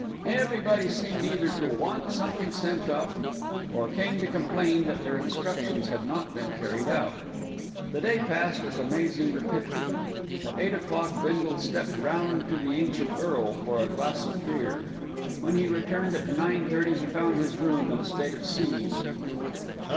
Everybody seemed either to want something sent up, or came to complain that their instructions had not been carried out. The day passed with amazing rapidity. At eight o'clock Bindle stepped round to The Ancient Earl for a glass of beer. When he returned at nine thirty he found his room in a state of siege.